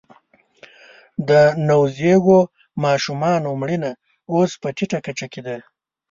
د نوزیږو ماشومانو مړینه اوس په ټیټه کچه کې ده